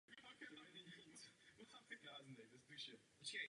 Řešili jsme otázku internetových lékáren.